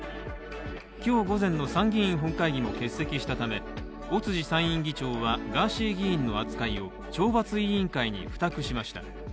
今日午前の参議院本会議も欠席したため尾辻参院議長は、ガーシー議員の扱いを懲罰委員会に付託しました。